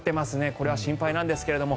これは心配なんですが。